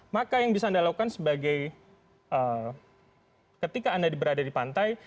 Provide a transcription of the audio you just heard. maka yang bisa anda lakukan sebagai ketika anda berada di pantai